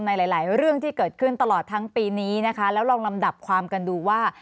ในหลายเรื่องที่เกิดขึ้นตลอดทั้งปีนี้นะคะแล้วลองลำดับความกันดูว่า